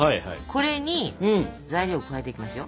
これに材料を加えていきますよ。